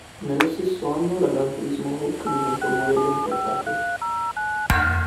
Nello stesso anno la Gran Turismo Hawk diventò un modello importato.